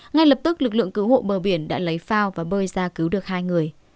ngay lập tức lực lượng cứu hộ bờ biển đã lấy phao và bơi ra cứu được hai người